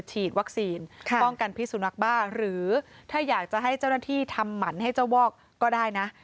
ฉีดวัคซีนป้องกันพิสุนักบ้าหรือถ้าอยากจะให้เจ้าหน้าที่ทำหมันให้เจ้าวอกก็ได้นะ